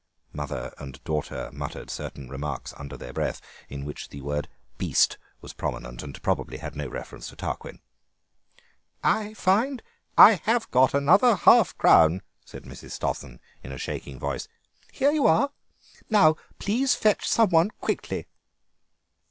Mother and daughter muttered certain remarks under their breath, in which the word "beast" was prominent, and probably had no reference to Tarquin. "I find I have got another half crown," said Mrs. Stossen in a shaking voice; "here you are. Now please fetch some one quickly."